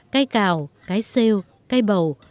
cây cào cây xêu cây bầu